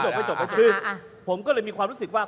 คุณจิลายุเขาบอกว่ามันควรทำงานร่วมกัน